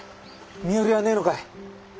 身寄りはねえのかい？